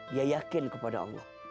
dia yakin kepada allah